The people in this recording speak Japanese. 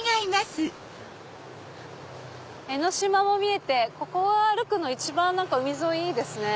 江の島も見えてここは歩くの一番海沿いいいですね。